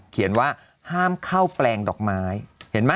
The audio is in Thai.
เขียนว่าห้ามเข้าแปลงดอกไม้เห็นไหม